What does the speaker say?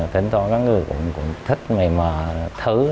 thỉnh thoảng có người cũng thích mình mà thử